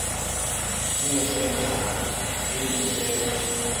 咩聲啊？鸚鵡啫